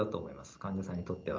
患者さんにとっては。